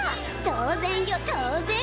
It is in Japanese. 当然よ当然！